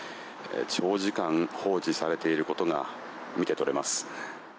長時間放置されていることが見て取れます。